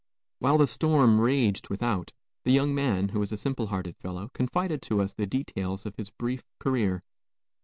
While the storm raged without, the young man, who was a simple hearted fellow, confided to us the details of his brief career.